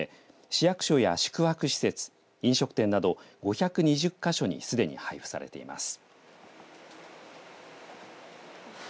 市役所や宿泊施設飲食店など５２０か所にすでに配付されています。